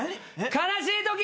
悲しいとき！